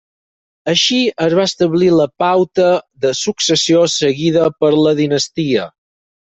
Així, es va establir la pauta de successió seguida per la dinastia.